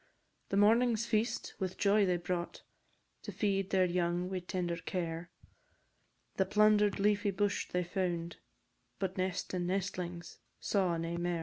The morning's feast with joy they brought, To feed their young wi' tender care; The plunder'd leafy bush they found, But nest and nestlings saw nae mair.